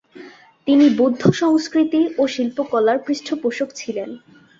তিনি বৌদ্ধ সংস্কৃতি ও শিল্পকলার পৃষ্ঠপোষক ছিলেন।